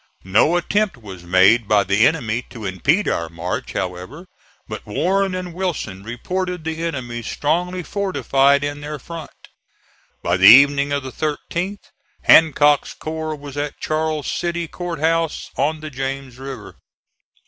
No attempt was made by the enemy to impede our march, however, but Warren and Wilson reported the enemy strongly fortified in their front. By the evening of the 13th Hancock's corps was at Charles City Court House on the James River.